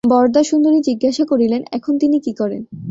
বরদাসুন্দরী জিজ্ঞাসা করিলেন, এখন তিনি কী করেন?